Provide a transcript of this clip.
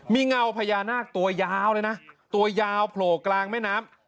มีเงาพญานาคตัวยาวเลยนะตัวยาวโผล่กลางแม่น้ำ